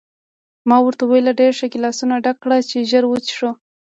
ما ورته وویل: ډېر ښه، ګیلاسونه ډک کړه چې ژر وڅښو.